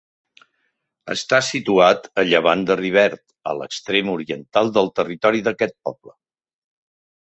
Està situat a llevant de Rivert, a l'extrem oriental del territori d'aquest poble.